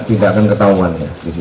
tidak akan ketahuan ya